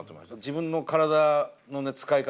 自分の体の使い方